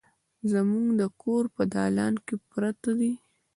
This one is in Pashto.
زموږ د کور په دالان کې پرته ده